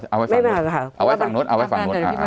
เอาไว้เอาไว้ฟังเอาไว้ฟังโน้ตเอาไว้ฟังโน้ตเอาไว้ฟังโน้ตอ่า